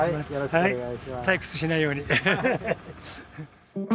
はい退屈しないように。